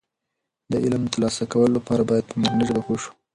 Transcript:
د علم د ترلاسه کولو لپاره باید په مورنۍ ژبه پوه شو.